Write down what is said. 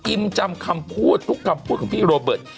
จำคำพูดทุกคำพูดของพี่โรเบิร์ต